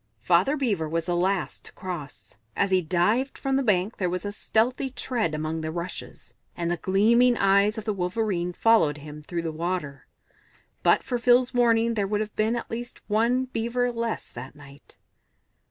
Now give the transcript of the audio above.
Father Beaver was the last to cross; as he dived from the bank there was a stealthy tread among the rushes, and the gleaming eyes of the Wolverene followed him through the water. But for Phil's warning there would have been at least one Beaver less that night.